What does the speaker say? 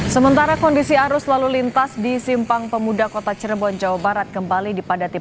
sementara kondisi arus lalu lintas di simpang pemuda kota cirebon jawa barat kembali dipadati